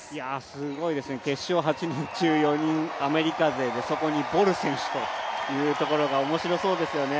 すごいですね決勝８人中４人アメリカ勢でそこにボル選手というところが面白そうですよね。